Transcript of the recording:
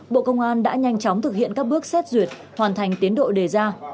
bộ công an đã nhanh chóng thực hiện các bước xét duyệt hoàn thành tiến độ đề ra